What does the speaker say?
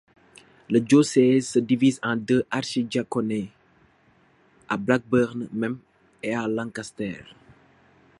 Le diocèse se divise en deux archidiaconés, à Blackburn même et à Lancaster.